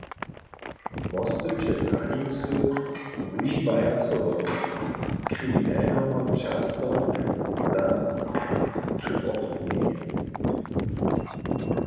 Mosty přez hranicy wužiwaja so wot kriminelnych často za twochnjenje.